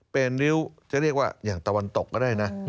เป็นริ้วจะเรียกว่าอย่างตะวันตกก็ได้นะ